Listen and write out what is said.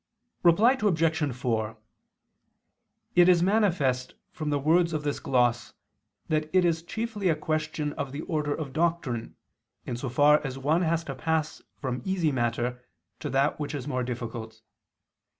Reply Obj. 4: It is manifest from the words of this gloss that it is chiefly a question of the order of doctrine, in so far as one has to pass from easy matter to that which is more difficult.